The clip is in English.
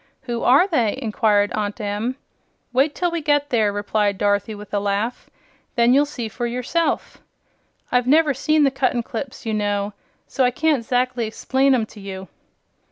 "Who are they?" inquired Aunt Em. "Wait till we get there," replied Dorothy, with a laugh; "then you'll see for yourself. I've never seen the Cuttenclips, you know, so I can't 'zactly 'splain 'em to you."